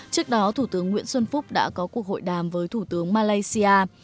trước đó thủ tướng nguyễn xuân phúc đã có cuộc hội đàm với thủ tướng malaysia